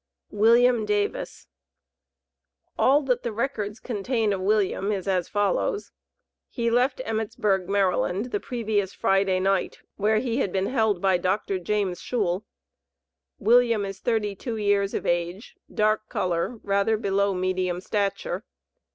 WILLIAM DAVIS. All that the records contain of William is as follows: He left Emmitsburg, Md., the previous Friday night, where he had been held by Dr. James Shoul. William is thirty two years of age, dark color, rather below medium stature.